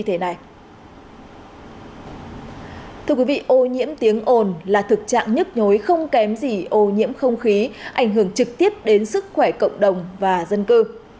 thưa quý vị ô nhiễm tiếng ồn là thực trạng nhức nhối không kém gì ô nhiễm không khí ảnh hưởng trực tiếp đến sức khỏe cộng đồng và dân cư